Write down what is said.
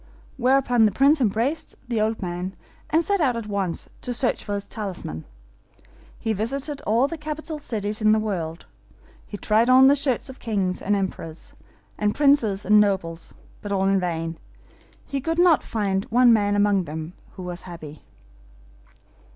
Whereupon the Prince embraced the old man, and set out at once to search for his talisman. He visited all the capital cities in the world. He tried on the shirts of kings, and emperors, and princes and nobles; but all in vain: he could not find a man among them that was happy.